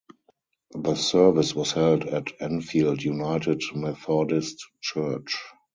The service was held at Enfield United Methodist Church.